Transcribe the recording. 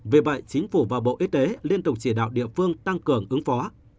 vì vậy chính phủ và bộ y tế liên tục chỉ đạo địa phương tăng cường ứng phó